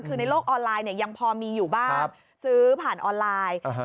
คือในโลกออนไลน์เนี่ยยังพอมีอยู่บ้างซื้อผ่านออนไลน์